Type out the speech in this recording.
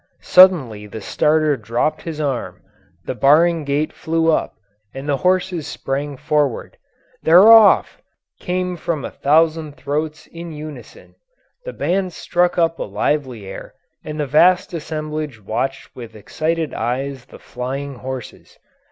Suddenly the starter dropped his arm, the barring gate flew up, and the horses sprang forward. "They're off!" came from a thousand throats in unison. The band struck up a lively air, and the vast assemblage watched with excited eyes the flying horses.